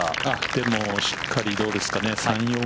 でも、しっかり、どうですかね。